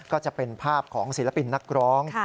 ก็จะเป็นภาพของศิลปินนักร้อง